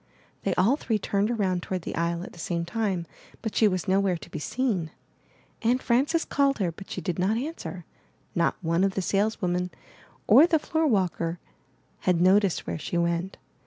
They all three turned around toward the aisle at the same time, but she was nowhere to be seen. Aunt Frances called her, but she did not answer; not one of the saleswomen or the floor walker had 405 MY BOOK HOUSE noticed where she went.